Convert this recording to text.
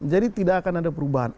jadi tidak akan ada perubahan